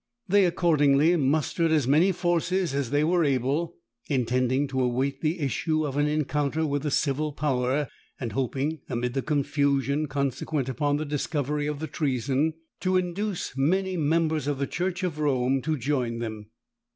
They accordingly mustered as many forces as they were able, intending to await the issue of an encounter with the civil power, and hoping, amid the confusion consequent upon the discovery of the treason, to induce many members of the church of Rome to join them.